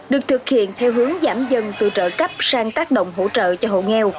được thực hiện theo hướng giảm dần từ trợ cấp sang tác động hỗ trợ cho hộ nghèo